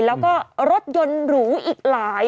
แล้วก็รถยนต์หรูอีกหลาย